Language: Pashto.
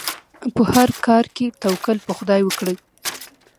په هر کار کې توکل په خدای وکړئ.